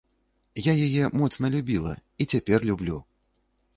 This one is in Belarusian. Я яе моцна любіла і цяпер люблю!